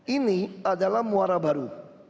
ini adalah muara baru